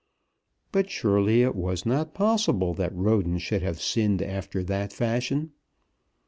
But surely it was not possible that Roden should have sinned after that fashion.